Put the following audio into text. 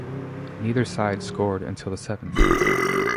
Neither side scored until the seventh.